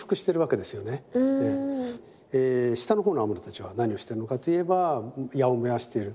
下のほうのアモルたちは何をしてるのかといえば矢を燃やしている。